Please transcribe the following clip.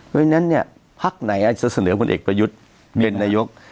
เพราะฉะนั้นเนี่ยพักไหนอาจจะเสนอผลเอกประยุทธ์เป็นนายก